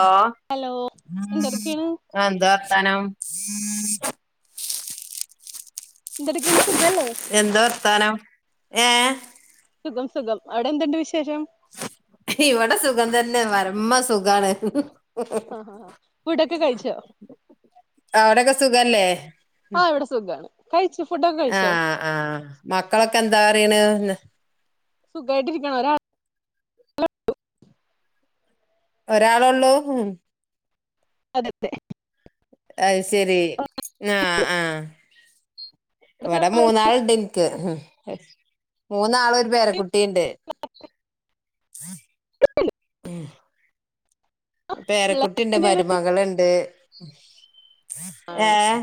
ഓ അ ഹലോ എന്തെടുക്കാണ് എന്താ വർത്തമാനം [inaudible] എന്തെടുക്കാണ് സുഖല്ലേ എന്താ വർത്താനം ഏ സുഖം സുഖം അവിടെ എന്തുണ്ട് വിശേഷം ഇവിടെ സുഖം തന്നെ പരമസുഖാണ്. ആ ആ ഫുഡൊക്കെ കഴിച്ചോ അവിടൊക്കെ സുഖല്ലേ ആ ഇവിടെ സുഖാണ് കഴിച്ചു ഫുഡൊക്കെ കഴിച്ചോ ആഹ് ആഹ് മക്കളൊക്കെ എന്താ പറയ്ണ് സുഖായിട്ടിരിക്കണ് ഒരാൾ [unintelligible] ഒരാളെള്ളൂ അതെ അതെ അയ്ശെരി ആഹ് ആഹ് അതെ ഇവിടെ മൂന്നാളിണ്ട് ഇൻക്ക് മൂന്നാളും ഒരു പേരക്കു കുട്ടിയുണ്ട് [unintelligible] മ് പേരക്കുട്ടി പിള്ളേരൊക്കെ ഉണ്ട് എന്ത് ചെയ്യണ് മരുമകളുണ്ട് ആണോ ഏഹ്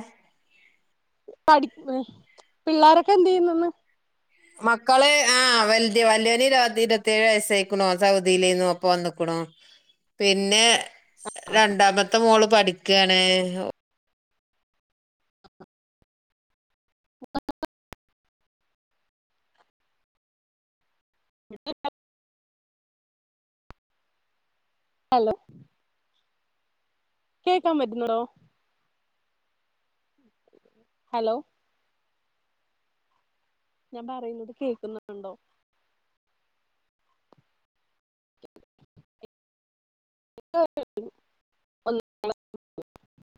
പഠി ഏഹ് പിള്ളോരൊക്കെ എന്ത് ചെയ്യുന്നെന്ന് മക്കള് ആ വൽത് വല്യവന് പത്തു ഇരുപത്തിയേഴ് വയസയിക്കണു ഓൻ സൗദിയിലേന്നു ഓന്പ്പം വന്നക്കുണു പിന്നെ രണ്ടാമത്തെ മോള് പഠിക്കാണ് [unintelligible] [unintelligible] ഹലോ കേക്കാൻ പറ്റുന്നുണ്ടോ? ഹലോ ഞാൻ പറയുന്നത് കേക്കുന്നുണ്ടോ [inaudible]